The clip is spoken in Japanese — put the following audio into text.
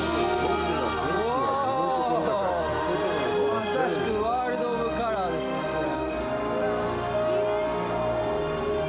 まさしくワールド・オブ・カラーですね、これ！